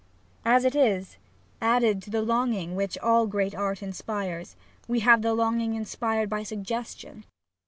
As it is, added to the longing which all great art inspires, we have the longing inspired by suggestion.